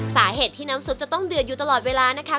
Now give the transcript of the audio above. สาเหตุที่น้ำซุปจะต้องเดือดอยู่ตลอดเวลานะคะ